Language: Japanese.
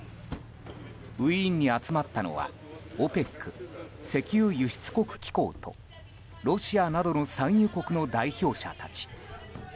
ウィーンに集まったのはＯＰＥＣ・石油輸出国機構とロシアなどの産油国の代表者たち。